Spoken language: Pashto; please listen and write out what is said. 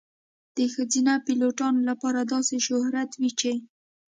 د ښځینه پیلوټانو لپاره داسې شهرت وي چې .